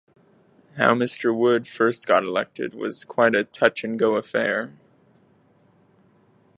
How Mr. Wood first got elected was quite a touch-and-go affair.